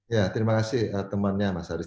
ya terima kasih temannya mas haris